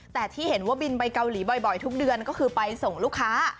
แต่ที่เห็นว่าบินไปเกาหลีบ่อยทุกเดือนก็คือไปส่งลูกค้า